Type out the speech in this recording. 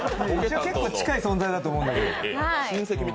結構近い存在だと思うけど。